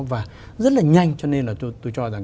và rất là nhanh cho nên là tôi cho rằng